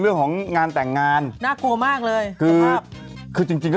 เรื่องอะไรนะงานแต่งอะไรของคุณว่ะ